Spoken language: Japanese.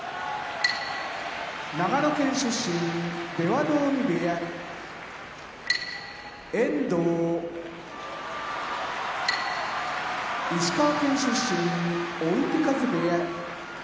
長野県出身出羽海部屋遠藤石川県出身追手風部屋